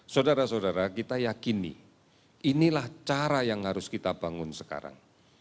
saudara saudara kita yakini inilah cara yang harus kita bangun sekarang